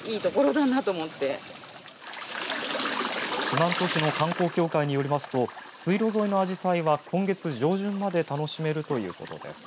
四万十市の観光協会によりますと水路沿いのアジサイは今月上旬まで楽しめるということです。